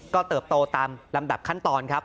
ก็เติบโตตามลำดับขั้นตอนครับ